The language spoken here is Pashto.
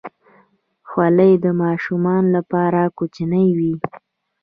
خولۍ د ماشومانو لپاره کوچنۍ وي.